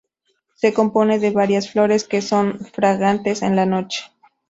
Se componen de varias flores que son fragantes en la noche.